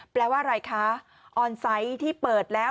แปลว่าอะไรคะออนไซต์ที่เปิดแล้ว